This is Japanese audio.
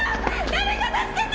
誰か助けて！